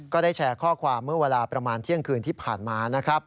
ก็ได้แชร์ข้อความเมื่อเวลาประมาณเที่ยงคืนที่ผ่านมานะครับ